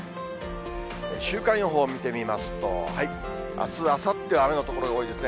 週間予報見てみますと、あす、あさっては、雨の所が多いですね。